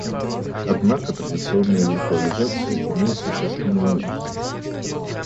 Однако традиционная виртуализация имеет существенный минус